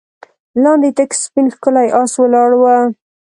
لاندې تک سپين ښکلی آس ولاړ و.